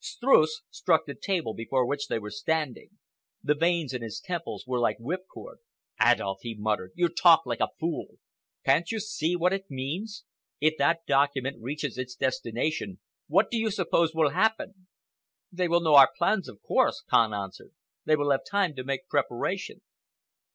Streuss struck the table before which they were standing. The veins in his temples were like whipcord. "Adolf," he muttered, "you talk like a fool! Can't you see what it means? If that document reaches its destination, what do you suppose will happen?" "They will know our plans, of course," Kahn answered. "They will have time to make preparation."